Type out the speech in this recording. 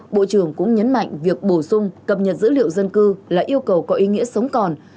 bộ trưởng cũng nhấn mạnh việc bổ sung cập nhật dữ liệu dân cư là yêu cầu có ý nghĩa sống còn